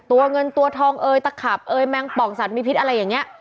ตัวเงินตัวทองเอยตะขับเอยแมงป่องสัตว์มีพิษอะไรอย่างนี้